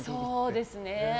そうですね。